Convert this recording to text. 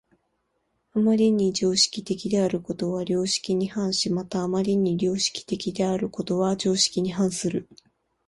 余りに常識的であることは良識に反し、また余りに良識的であることは常識に反する。